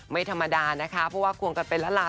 ไม่ธรรมดานะคะเพราะว่าควงกันเป็นละลา